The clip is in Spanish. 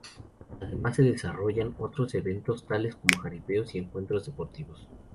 Además se desarrollan otros eventos tales como jaripeos y encuentros deportivos.